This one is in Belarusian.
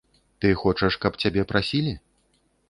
Ты хочаш, каб цябе прасілі?